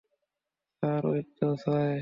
Sir, অইতো সে!